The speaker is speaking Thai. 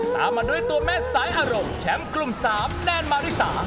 ตามมาด้วยตัวแม่สายอารมณ์แชมป์กลุ่ม๓แนนมาริสา